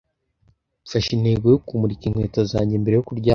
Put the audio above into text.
Mfashe intego yo kumurika inkweto zanjye mbere yo kuryama